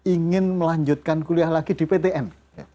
ingin melanjutkan kuliah lagi di ptm